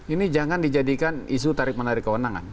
ini jangan dijadikan isu tarik menarik kewenangan